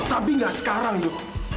tapi gak sekarang do